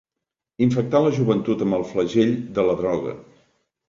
Infectar la joventut amb el flagell de la droga.